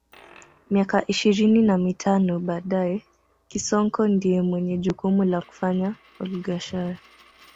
Miaka ishirini na mitano baadae Kisonko ndiye mwenye jukumu la kufanya olghesher